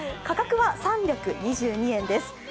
価格は３２２円です。